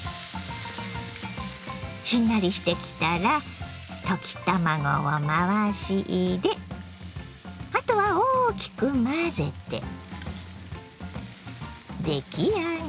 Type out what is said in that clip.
しんなりしてきたら溶き卵を回し入れあとは大きく混ぜて出来上がり。